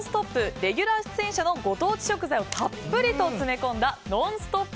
レギュラー出演者のご当地食材をたっぷりと詰め込んだノンストップ！